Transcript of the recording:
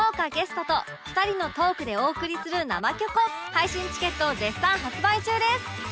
配信チケット絶賛発売中です！